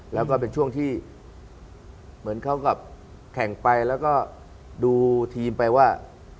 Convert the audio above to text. แล้วก็เป็นช่วงที่เหมือนเขากับแข่งไปแล้วก็ดูทีมไปว่า